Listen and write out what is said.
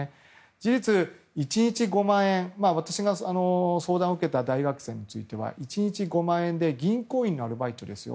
事実、私が相談を受けた大学生については１日５万円で銀行員のアルバイトですよ。